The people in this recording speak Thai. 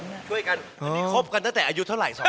นี่คบกันตั้งแต่อายุเท่าไหร่สองคน